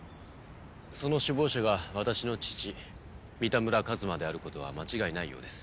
その首謀者が私の父三田村一馬である事は間違いないようです。